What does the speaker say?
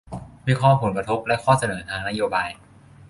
วิเคราะห์ผลกระทบ และข้อเสนอทางนโยบาย